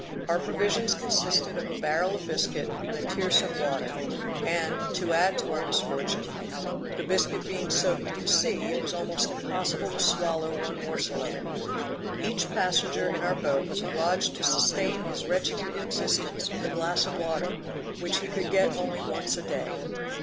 Our provisions consisted of a barrel of biscuit, and a tierce of water; and, to add to our misfortune, the biscuit being soaked in the sea, it was almost impossible to swallow one morsel of it. Each passenger in our boat was obliged to sustain his wretched existence with a glass of water, which he could get only once a day.